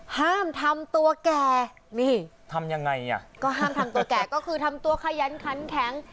ห้ามทำตัวแก่นี่ทำยังไงอ่ะก็ห้ามทำตัวแก่ก็คือทำตัวขยันขันแข็ง